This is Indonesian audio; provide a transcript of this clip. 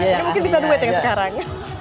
ini mungkin bisa duet yang sekarang